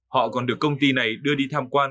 họ còn được công ty này đưa đi tham quan